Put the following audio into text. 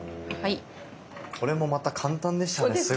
これもまた簡単でしたねすごい。